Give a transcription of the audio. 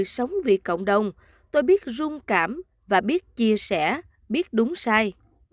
sống vì cộng đồng tôi biết rung cảm và biết chia sẻ biết đúng sai